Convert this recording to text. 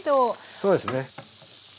そうですね。